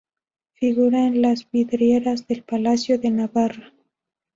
Figuran en las vidrieras del Palacio de Navarra.